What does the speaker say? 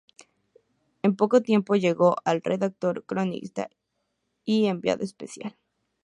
En poco tiempo llegó a redactor, cronista y enviado especial.